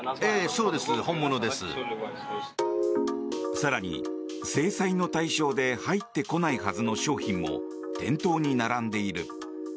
更に、制裁の対象で入ってこないはずの商品も店頭に並んでいる。